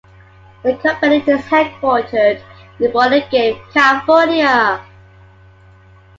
The company is headquartered in Burlingame, California.